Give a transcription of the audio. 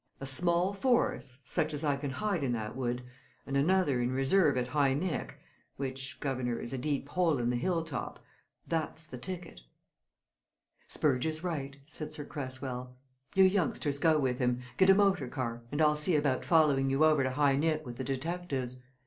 A small force such as I can hide in that wood, and another in reserve at High Nick, which, guv'nor, is a deep hole in the hill top that's the ticket!" "Spurge is right," said Sir Cresswell. "You youngsters go with him get a motor car and I'll see about following you over to High Nick with the detectives.